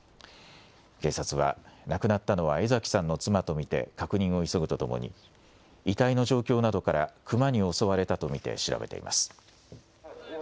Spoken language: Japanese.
警察は、亡くなったのは江ざきさんの妻と見て、確認を急ぐとともに、遺体の状況などから、クマに襲われたと見て、調べています。